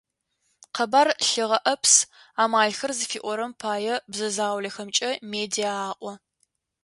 «Къэбар лъыгъэӏэс амалхэр» зыфиӏорэм пае бзэ заулэхэмкӏэ «медиа» аӏо.